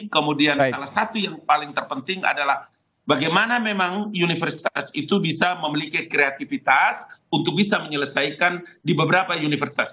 kemudian salah satu yang paling terpenting adalah bagaimana memang universitas itu bisa memiliki kreativitas untuk bisa menyelesaikan di beberapa universitas